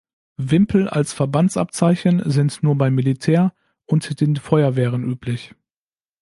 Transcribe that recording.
Wimpel als Verbandsabzeichen sind nur beim Militär und den Feuerwehren üblich.